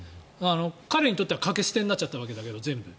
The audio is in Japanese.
彼にとっては掛け捨てになったわけだけど全部。